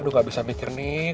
aduh gak bisa mikir nih